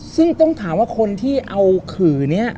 ซึ่งต้องถามว่าคนที่เอาขื่อนี้